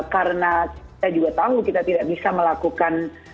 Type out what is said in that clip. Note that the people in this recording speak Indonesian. karena kita juga tahu kita tidak bisa melakukan